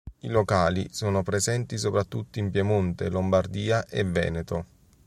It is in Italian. I locali sono presenti soprattutto in Piemonte, Lombardia e Veneto.